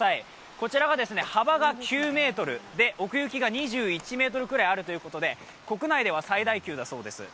こちは幅が９ｍ、奥行きが２１ｍぐらいあるということで国内では最大級だそうです。